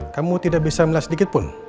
kamu tidak bisa melihat sedikitpun